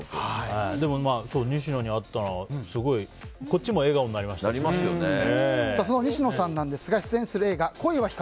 でも、西野に会ったのはすごい、こっちも笑顔にその西野さんですが出演する映画「恋は光」。